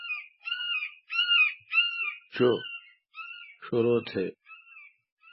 چو شرو تھی۔